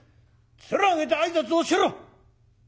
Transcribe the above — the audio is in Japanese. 面上げて挨拶をしろ！